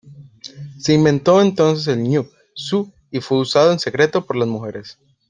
Se inventó entonces el nü shu y fue usado en secreto por las mujeres.